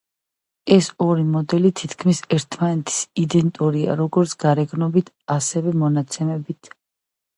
ეს ორი მოდელი თითქმის ერთმანეთის იდენტურია როგორც გარეგნობით, ასევე მონაცემებით.